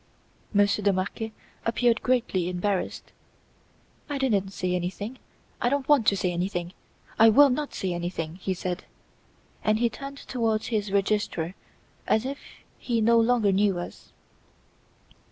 Monsieur de Marquet appeared greatly embarrassed. "I didn't say anything I don't want to say anything I will not say anything," he said. And he turned towards his Registrar as if he no longer knew us.